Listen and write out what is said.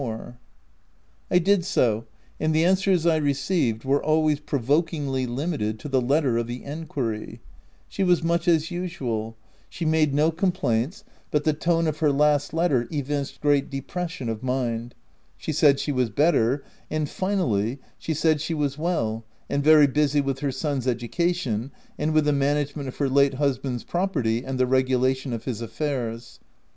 262 THE TENANT I did so, and the answers I received were always provokingly limited to the letter of the enquiry : She was much as usual : She made no complaints, but the tone of her last letter evinced great depression of mind :— She said she was better :— and, finally ;— She said she was well, and very busy with her son's educa tion, and with the management of her late husband's property and the regulation of his affairs.